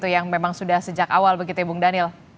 yang memang sudah sejak awal begitu ya bung daniel